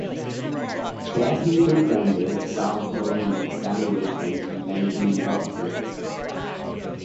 There, he befriended Ralph Molina, Danny Whitten and Benjamin Rocco.